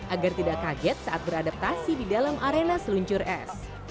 agar tidak kaget saat beradaptasi di dalam arena seluncur es